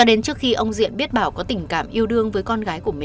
đề phòng đối tượng lợi dụng đêm